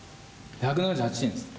１７８円です。